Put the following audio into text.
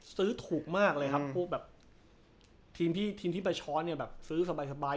ซื้อถูกมากเลยครับทีมที่ไปช้อนซื้อสบาย